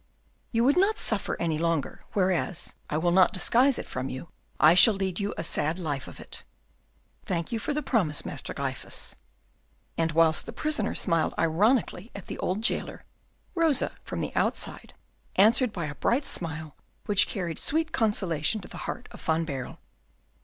"You would not suffer any longer; whereas, I will not disguise it from you, I shall lead you a sad life of it." "Thank you for the promise, Master Gryphus." And whilst the prisoner smiled ironically at the old jailer, Rosa, from the outside, answered by a bright smile, which carried sweet consolation to the heart of Van Baerle.